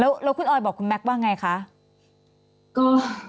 แล้วคุณออยบอกคุณแม็กซ์ว่าไงคะ